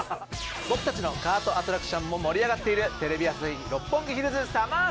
僕たちのカートアトラクションも盛り上がっているテレビ朝日・六本木ヒルズＳＵＭＭＥＲＳＴＡＴＩＯＮ。